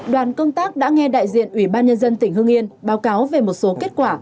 đoàn công tác đã nghe đại diện ủy ban nhân dân tỉnh hương yên báo cáo về một số kết quả